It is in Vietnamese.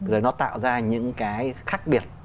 rồi nó tạo ra những cái khác biệt